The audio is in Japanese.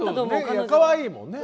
かわいいもんね。